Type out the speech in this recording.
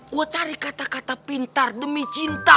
gue cari kata kata pintar demi cinta